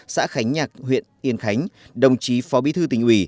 xã khánh nhạc huyện yên khánh đồng chí phó bí thư tỉnh ủy